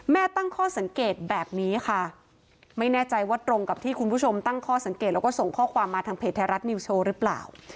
ตั้งข้อสังเกตแบบนี้ค่ะไม่แน่ใจว่าตรงกับที่คุณผู้ชมตั้งข้อสังเกตแล้วก็ส่งข้อความมาทางเพจไทยรัฐนิวโชว์หรือเปล่า